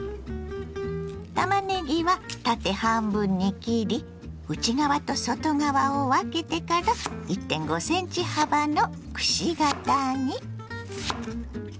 たまねぎは縦半分に切り内側と外側を分けてから１．５ｃｍ幅のくし形に。